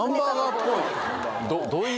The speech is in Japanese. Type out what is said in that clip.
どういう？